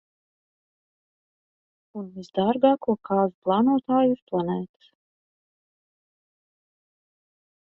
Un visdārgāko kāzu plānotāju uz planētas.